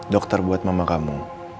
dokter buat mama kamu